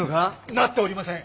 なっておりません！